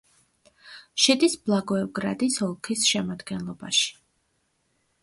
შედის ბლაგოევგრადის ოლქის შემადგენლობაში.